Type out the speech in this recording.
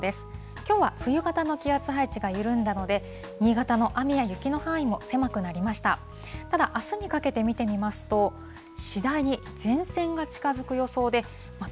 今日は冬型の気圧配置が緩んだので、新潟の雨や雪の範囲も狭くなりました。